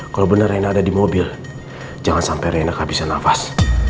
kalau bener rena ada di mobil jangan sampai rena kehabisan nafas